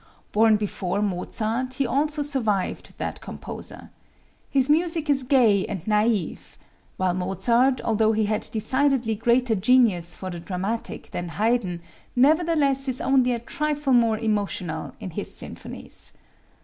Born before Mozart, he also survived that composer. His music is gay and naive; while Mozart, although he had decidedly greater genius for the dramatic than Haydn, nevertheless is only a trifle more emotional in his symphonies.